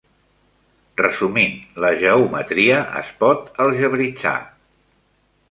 Resumint, la geometria es pot algebritzar.